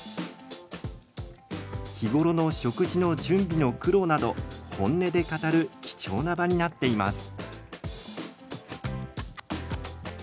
日頃の食事の準備の苦労など本音で語る貴重な場になっています。